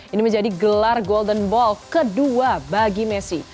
ini menjadi gelar golden ball kedua bagi messi